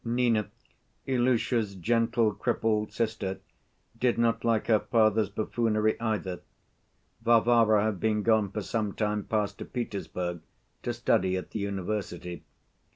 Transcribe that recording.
Nina, Ilusha's gentle, crippled sister, did not like her father's buffoonery either (Varvara had been gone for some time past to Petersburg to study at the university).